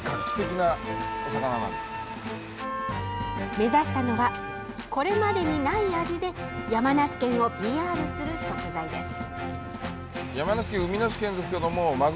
目指したのはこれまでにない味で山梨県をＰＲする食材です。